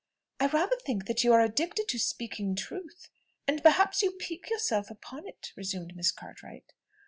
"I rather think that you are addicted to speaking truth and perhaps you pique yourself upon it," resumed Miss Cartwright.